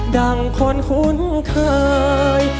ดังคนคุ้นเคย